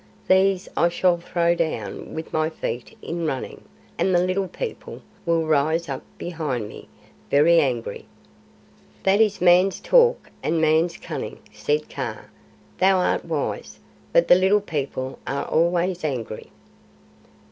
These I shall throw down with my feet in running, and the Little People will rise up behind me, very angry." "That is Man's talk and Man's cunning," said Kaa. "Thou art wise, but the Little People are always angry."